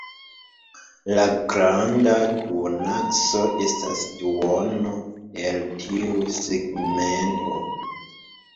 La granda duonakso estas duono el tiu segmento.